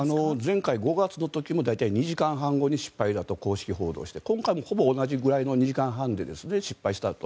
前回５月の時も大体２時間半後に失敗だと公式報道して今回もほぼ同じくらいの２時間くらいで失敗したと。